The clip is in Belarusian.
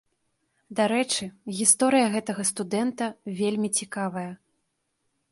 Дарэчы, гісторыя гэтага студэнта вельмі цікавая.